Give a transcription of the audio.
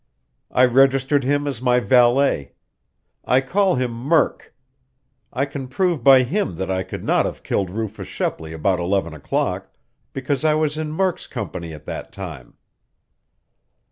I registered him as my valet. I call him Murk. I can prove by him that I could not have killed Rufus Shepley about eleven o'clock, because I was in Murk's company at that time."